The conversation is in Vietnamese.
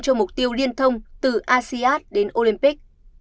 cho mục tiêu liên thông từ asean đến olympic